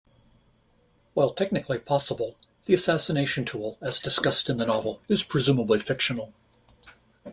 While technically possible, the assassination tool as discussed in the novel is presumably fictional.